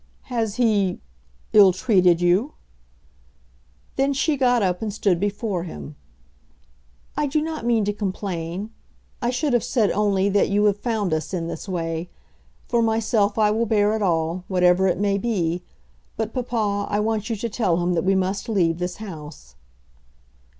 "Has he ill treated you?" Then she got up, and stood before him. "I do not mean to complain. I should have said nothing only that you have found us in this way. For myself I will bear it all, whatever it may be. But, papa, I want you to tell him that we must leave this house."